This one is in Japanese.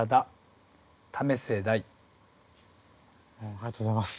ありがとうございます。